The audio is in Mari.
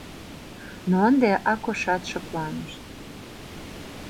Но ынде Акошат шыпланыш.